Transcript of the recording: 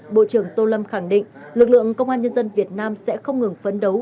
bộ trưởng tô lâm khẳng định lực lượng công an nhân dân việt nam sẽ không ngừng phấn đấu